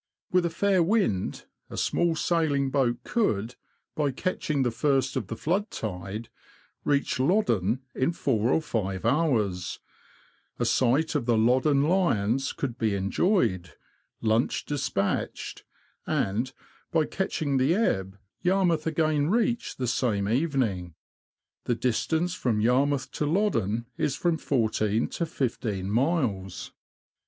With a fair wind, a small sailing boat could, by catching the first of the flood tide, reach Loddon in four or five hours ; a sight of the Loddon lions could be enjoyed, lunch despatched, and, by catching the ebb, Yarmouth again reached the same evening. The distance from Yarmouth to Loddon is from fourteen to fifteen miles.